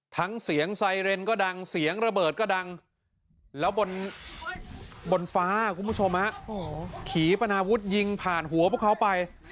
ทั้งเสียงไซเรนก็ดังเสียงระเบิดก็ดังแล้วบนฟ้าคุณผู้ชมฮะขี่ปนาวุฒิยิงผ่านหัวพวกเขาไป